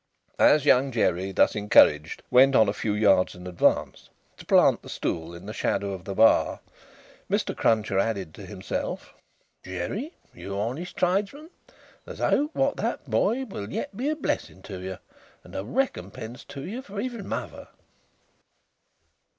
As Young Jerry, thus encouraged, went on a few yards in advance, to plant the stool in the shadow of the Bar, Mr. Cruncher added to himself: "Jerry, you honest tradesman, there's hopes wot that boy will yet be a blessing to you, and a recompense to you for his mother!"